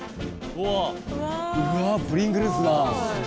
うわあプリングルズだ。